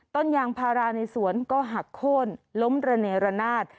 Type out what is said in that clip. ต้นยางพาราในสวนก็หักโค้นล้มระเนรนาศ